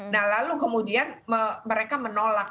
nah lalu kemudian mereka menolak